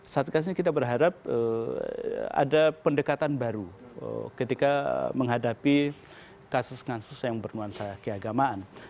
satgas ini kita berharap ada pendekatan baru ketika menghadapi kasus kasus yang bernuansa keagamaan